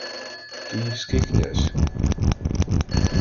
— Київський князь.